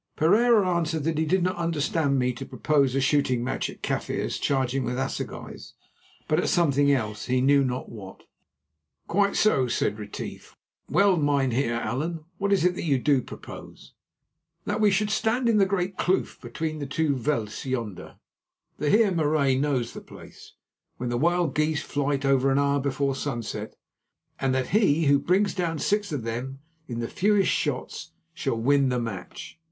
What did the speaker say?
Pereira answered that he did not understand me to propose a shooting match at Kaffirs charging with assegais, but at something else—he knew not what. "Quite so," said Retief. "Well, Mynheer Allan, what is it that you do propose?" "That we should stand in the great kloof between the two vleis yonder—the Heer Marais knows the place—when the wild geese flight over an hour before sunset, and that he who brings down six of them in the fewest shots shall win the match."